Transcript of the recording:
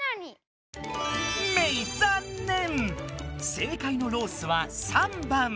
正解の「ロース」は３番。